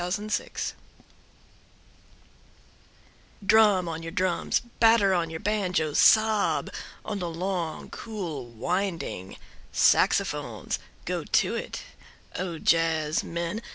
Jazz Fantasia DRUM on your drums, batter on your banjoes, sob on the long cool winding saxophones. Go to it, O jazzmen.